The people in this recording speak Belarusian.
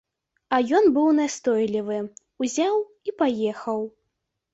А ён быў настойлівы, узяў і паехаў.